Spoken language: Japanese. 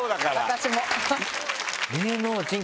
私も。